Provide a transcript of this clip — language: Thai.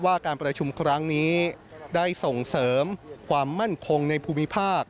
ว่าการประชุมครั้งนี้ได้ส่งเสริมความมั่นคงในภูมิภาค